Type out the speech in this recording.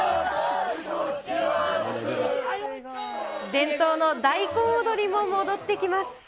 伝統の大根踊りも戻ってきま